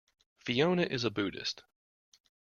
Fiona is a Buddhist.